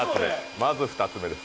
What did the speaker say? まず２つ目です。